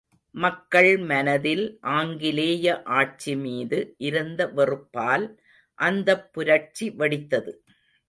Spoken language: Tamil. மக்கள் மனதில் ஆங்கிலேய ஆட்சிமீது இருந்த வெறுப்பால் அந்தப் புரட்சி வெடித்தது.